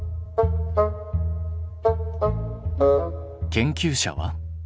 研究者は？